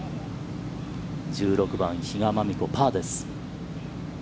１６番、比嘉真美子、パーです。